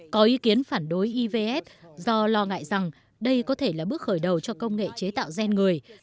có ý kiến phản đối evf do lo ngại rằng đây có thể là bước khởi đầu cho công nghệ chế tạo gen người